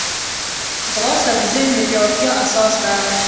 ځغاسته د ذهن د پیاوړتیا اساس ده